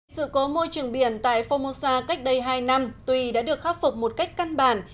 sự cố môi trường biển tại phongmosa cách đây hai năm tuy đã được khắc phục một cách căn bản